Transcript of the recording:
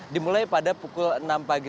dimulai pada pukul enam pagi